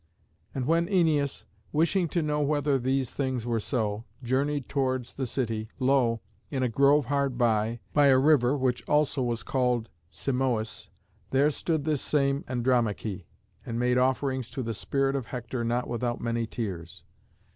And when Æneas, wishing to know whether these things were so, journeyed towards the city, lo! in a grove hard by, by a river which also was called Simoïs, there stood this same Andromaché, and made offerings to the spirit of Hector not without many tears.